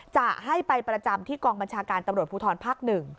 จะให้ไปประจำที่กองบัญชาการตำรวจภูทรภาค๑